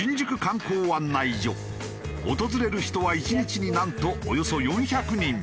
訪れる人は１日になんとおよそ４００人。